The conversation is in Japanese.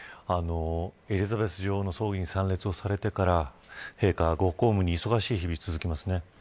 エリザベス女王の葬儀に参列をされてから陛下はご公務に忙しい日が続きますね。